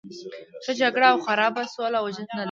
ښه جګړه او خرابه سوله وجود نه لري.